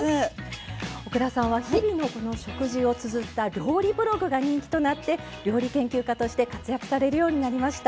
奥田さんは日々のこの食事をつづった料理ブログが人気となって料理研究家として活躍されるようになりました。